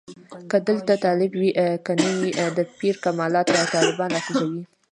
که دلته طالب وي که نه وي د پیر کمالات طالبان راکوزوي.